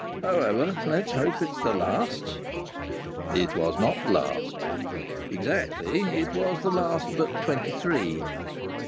"However, let's hope it's the last." It was not the last. Exactly, it was the last but twenty three.